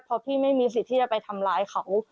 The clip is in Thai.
เพราะพี่ไม่มีสิทธิ์ที่จะไปทำร้ายเขา